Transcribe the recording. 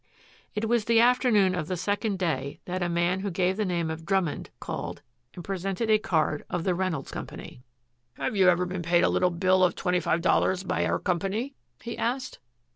It was the afternoon of the second day that a man who gave the name of Drummond called and presented a card of the Reynolds Company. "Have you ever been paid a little bill of twenty five dollars by our company?" he asked.